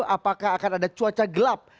apakah akan ada cuaca gelap